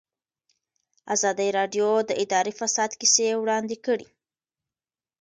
ازادي راډیو د اداري فساد کیسې وړاندې کړي.